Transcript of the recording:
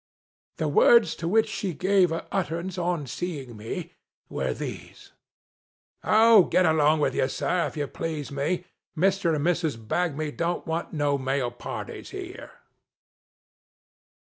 The words to which she gave utterance on seeing me, were these, " Oh git along with you, Sir, if you please ; me and Mrs. Bigby don't want no male parties here